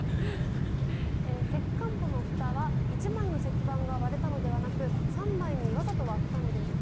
石棺墓のふたは１枚の石板が割れたのではなく３枚にわざと割ったのですか。